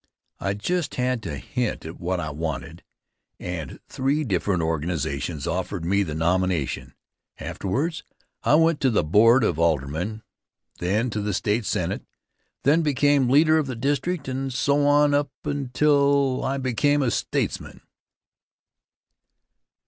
1 just had to hint at what I wanted, and three different organizations offered me the nomination. Afterwards, I went to the Board of Aldermen, then to the State Senate, then became leader of the district, and so on up and up till I became a statesman.